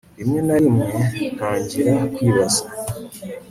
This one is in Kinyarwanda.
rimwe na rimwe ntangira kwibaza